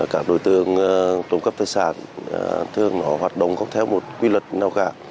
các đối tượng trộm cắp tài sản thường hoạt động không theo một quy luật nào cả